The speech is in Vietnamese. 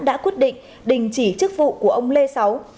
đã quyết định đình chỉ chức vụ của ông lê sáu